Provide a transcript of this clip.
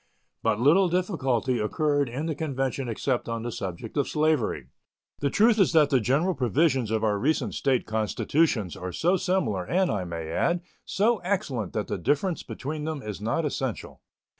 But little difficulty occurred in the convention except on the subject of slavery. The truth is that the general provisions of our recent State constitutions are so similar and, I may add, so excellent that the difference between them is not essential.